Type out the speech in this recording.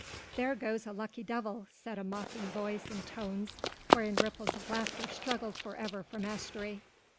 "There goes a lucky devil," said a mocking voice in tones wherein ripples of laughter struggled for ever for mastery.